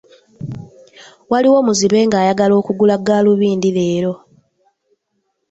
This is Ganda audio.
Waliwo muzibe ng'ayagala okugula gaalubindi leero.